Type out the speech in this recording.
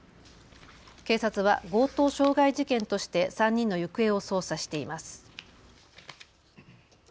警察は強盗傷害事件として３人の行方を捜査しています。